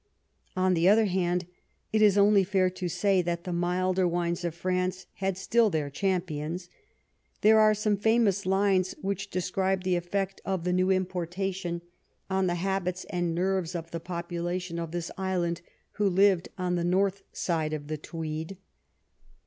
On the other hand, it is only fair to say that the milder wines of France had still their champions. There are some famous lines which describe the effect of the new importation on the habits and nerves of the population of this island who lived on the north side of the Tweed.